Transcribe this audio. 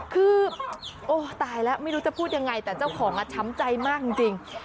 คือโอ้ตายแล้วไม่รู้จะพูดยังไงแต่เจ้าของช้ำใจมากจริง